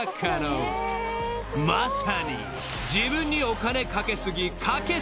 ［まさに］